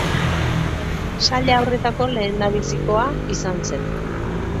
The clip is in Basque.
Saila horretako lehendabizikoa izan zen.